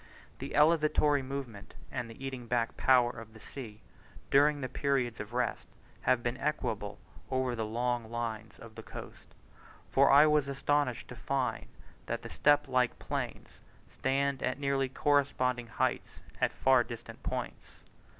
The elevatory movement, and the eating back power of the sea during the periods of rest, have been equable over long lines of coast; for I was astonished to find that the step like plains stand at nearly corresponding heights at far distant points.